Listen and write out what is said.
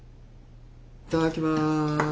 いただきます。